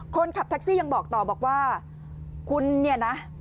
คนขับแท็กซี่ยังบอกต่อบอกว่าคุณเนี่ยนะ